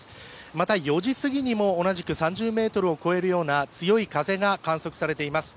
また４時過ぎにも同じく３０メートルを超える強い風が観測されています。